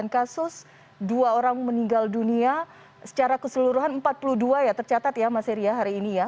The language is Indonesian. satu tujuh ratus delapan puluh sembilan kasus dua orang meninggal dunia secara keseluruhan empat puluh dua ya tercatat ya mas ria hari ini ya